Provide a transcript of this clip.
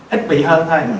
ít bị hơn thôi